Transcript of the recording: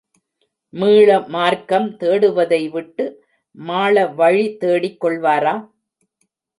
மீள மார்க்கம் தேடுவதைவிட்டு, மாள வழி தேடிக்கொள்வாரா?